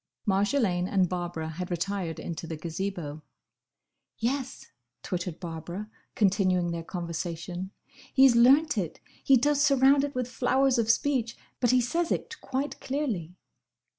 Marjolaine and Barbara had retired into the Gazebo. "Yes!" twittered Barbara, continuing their conversation, "he's learnt it! He does surround it with flowers of speech, but he says it quite clearly."